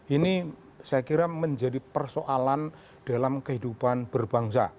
ini saya kira menjadi persoalan dalam kehidupan berbangsa